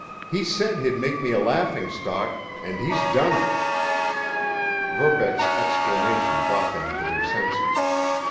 He said he'd make me a laughingstock—and he's done it!" Verbeck's exclamation brought them to their senses.